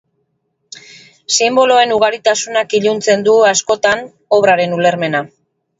Sinboloen ugaritasunak iluntzen du, askotan, obraren ulermena.